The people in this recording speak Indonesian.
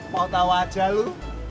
mau tau aja lu